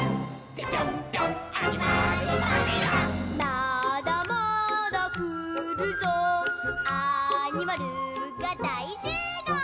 「まだまだくるぞアニマルがだいしゅうごう！」